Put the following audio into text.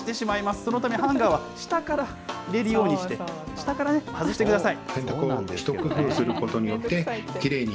そのためハンガーは下から入れるようにして、下からね、外してください。